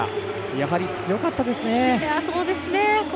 やはり強かったですね。